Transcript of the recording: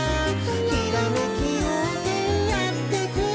「ひらめきようせいやってくる」